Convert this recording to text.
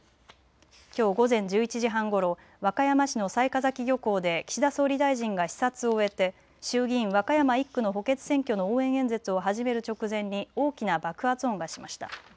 きょう午前１１時半ごろ、和歌山市の雑賀崎漁港で岸田総理大臣が視察を終えて衆議院和歌山１区の補欠選挙の応援演説を始める直前に大きな爆発音がしました。